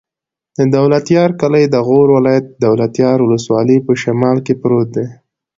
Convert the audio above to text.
د دولتيار کلی د غور ولایت، دولتيار ولسوالي په شمال کې پروت دی.